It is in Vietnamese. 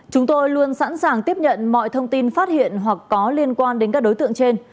chúng tôi luôn sẵn sàng tiếp nhận mọi thông tin phát hiện hoặc có liên quan đến các đối tượng trên